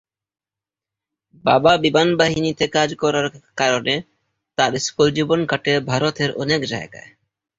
বাবা বিমান বাহিনীতে কাজ করার কারণে তার স্কুল জীবন কাটে ভারতের অনেক জায়গায়।